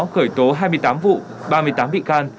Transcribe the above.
khởi tố hai mươi tám vụ ba mươi tám bị can